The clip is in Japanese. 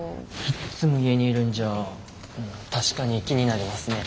いっつも家にいるんじゃ確かに気になりますね。